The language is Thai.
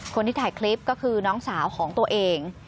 คนที่ถ่ายคลิปก็คือน้องสาวของตัวเอง